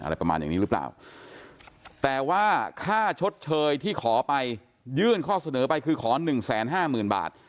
อะไรอย่างนี้ประมาณอย่างนี้หรือเปล่าแต่ว่าค่าชดเชยที่ขอไปยื่นข้อเสนอไปคือขอหนึ่งแสนห้าหมื่นบาท